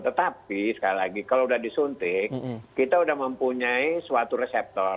tetapi sekali lagi kalau sudah disuntik kita sudah mempunyai suatu reseptor